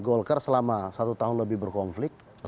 golkar selama satu tahun lebih berkonflik